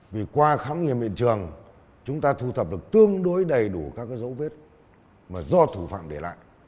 vì qua khám nghiệm hiện trường chúng ta thu thập được tương đối đầy đủ các dấu vết mà do thủ phạm để lại